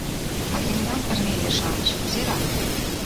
А тендан, рвезе-шамыч, кузерак?